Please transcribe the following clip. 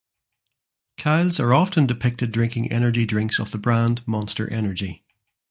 Kyles are often depicted drinking energy drinks of the brand Monster Energy.